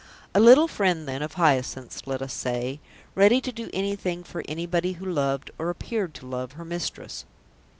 A little friend, then, of Hyacinth's, let us say; ready to do anything for anybody who loved, or appeared to love, her mistress.